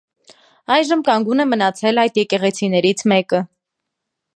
Այժմ կանգուն է մնացել այդ եկեղեցիներից մեկը։